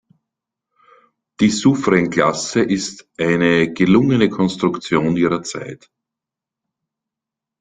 Die Suffren-Klasse ist eine gelungene Konstruktion ihrer Zeit.